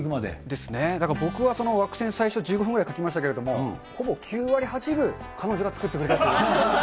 ですね、だから僕は枠線、１５分描きましたけど、ほぼ９割８分、彼女が作ってくれたという。